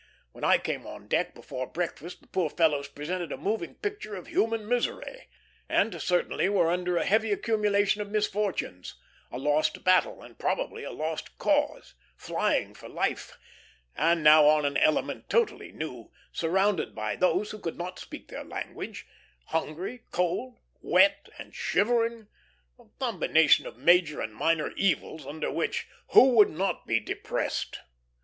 When I came on deck before breakfast the poor fellows presented a moving picture of human misery, and certainly were under a heavy accumulation of misfortunes: a lost battle, and probably a lost cause; flying for life, and now on an element totally new; surrounded by those who could not speak their language; hungry, cold, wet, and shivering a combination of major and minor evils under which who would not be depressed?